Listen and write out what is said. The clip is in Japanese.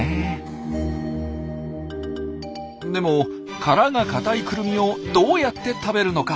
でも殻が硬いクルミをどうやって食べるのか。